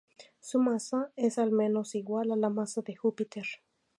Su masa es al menos igual a la masa de Júpiter.